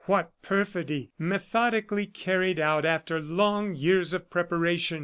... What perfidy, methodically carried out after long years of preparation!